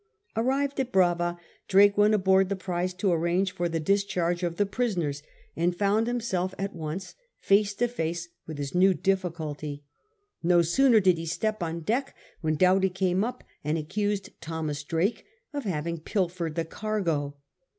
Arrived at Brava, Drake went aboard the prize to arrange for the discharge of the prisoners, and found himself at once face to face with V DO UGHTY IN DISGRA CE 65 his new diflSculty. No sooner did he step on deck than Doughty came up and accused Thomas Drake of having pilfered the cargo.